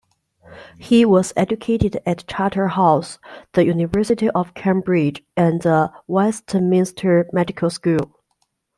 He was educated at Charterhouse, the University of Cambridge and the Westminster Medical School.